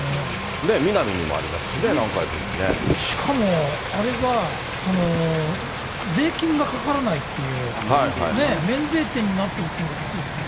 ミナミにもありますしね、南しかも、あれが税金がかからないっていう、免税店になってるというのがびっくりですね。